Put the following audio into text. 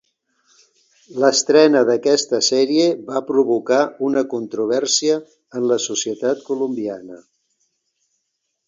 L'estrena d'aquesta sèrie va provocar una controvèrsia en la societat colombiana.